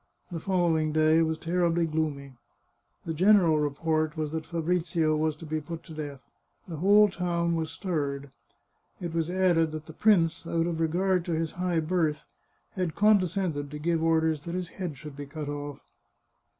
The following day was terribly gloomy. The general report was that Fa brizio was to be put to death; the whole town was stirred. It was added that the prince, out of regard to his high birth, had condescended to give orders that his head should be cut off.